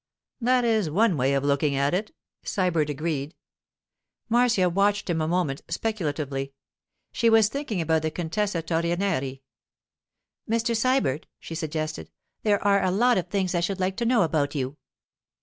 'That is one way of looking at it,' Sybert agreed. Marcia watched him a moment speculatively. She was thinking about the Contessa Torrenieri. 'Mr. Sybert,' she suggested, 'there are a lot of things I should like to know about you.